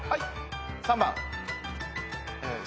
３番。